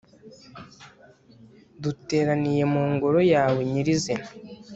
duteraniye mu ngoro yawe nyirizina